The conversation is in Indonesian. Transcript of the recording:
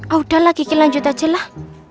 ah udahlah kiki lanjut aja lah